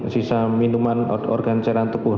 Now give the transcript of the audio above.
sisa minuman organ cairan tubuh